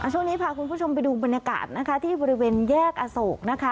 ช่วงนี้พาคุณผู้ชมไปดูบรรยากาศนะคะที่บริเวณแยกอโศกนะคะ